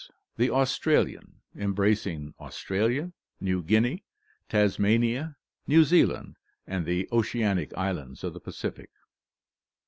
Hie Australian, embracing Australia, New Guinea, Tasmania, New Zealand, and the oceanic islands of the Pacific.